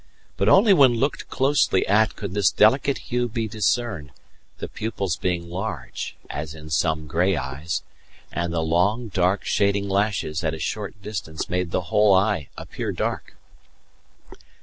But only when looked closely at could this delicate hue be discerned, the pupils being large, as in some grey eyes, and the long, dark, shading lashes at a short distance made the whole eye appear dark.